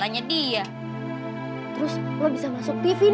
saya masih masih